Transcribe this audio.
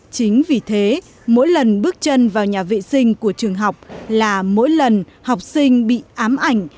chính vì thế mỗi lần bước chân vào nhà vệ sinh của trường học là mỗi lần học sinh bị ám ảnh